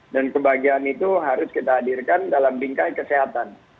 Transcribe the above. dan kebahagiaan itu harus kita hadirkan dalam bingkai kesehatan